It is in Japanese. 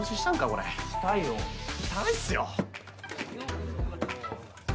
これしたよ汚いっすよ